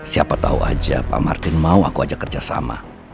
siapa tahu aja pak martin mau aku ajak kerjasama